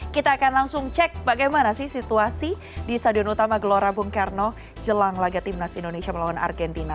kita akan langsung cek bagaimana sih situasi di stadion utama gelora bung karno jelang laga timnas indonesia melawan argentina